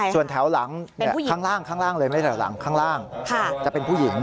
ส่วนแถวหลังข้างล่างไม่แถวหลังข้างล่างจะเป็นผู้หญิง